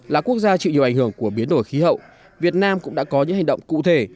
là quốc gia chịu nhiều ảnh hưởng của biến đổi khí hậu việt nam cũng đã có những hành động cụ thể